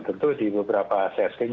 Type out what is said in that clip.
tentu di beberapa setting